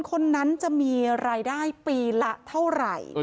คนนั้นจะมีรายได้ปีละเท่าไหร่